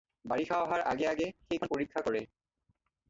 বাৰিষা অহাৰ আগে আগে সেইখন পৰীক্ষা কৰে।